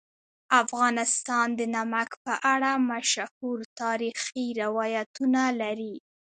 افغانستان د نمک په اړه مشهور تاریخی روایتونه لري.